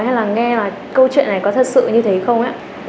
hay là nghe là câu chuyện này có thật sự như thế không ạ